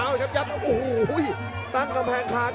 โอ้โหยัดทั้งกำแห่งสง่ายทราวน์